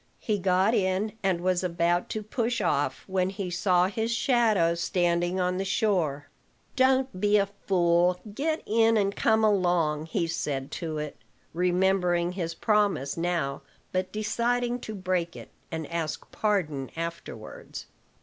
He got in, and was about to push off, when he saw his shadow standing on the shore. "Don't be a fool; get in, and come along," he said to it, remembering his promise now, but deciding to break it, and ask pardon afterwards.